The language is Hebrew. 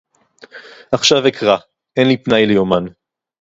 עכשיו אקרא. אין לי פנאי ליומן.